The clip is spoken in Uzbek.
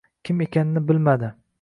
— kim ekanini bilmadi.